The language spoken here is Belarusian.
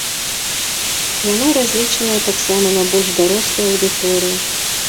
Яна разлічаная таксама на больш дарослую аўдыторыю.